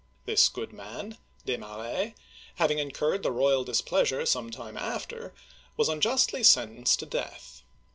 This good man (Desmarets), having incurred the royal displeasure some time after, was unjustly sentenced to death.